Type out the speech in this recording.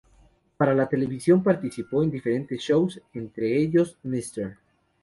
Para la televisión participó en diferentes shows, entre ellos "Mr.